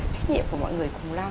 trách nhiệm của mọi người cùng lo